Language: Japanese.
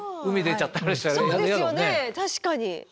確かに。